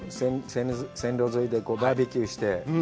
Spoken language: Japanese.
線路沿いでバーベキューして。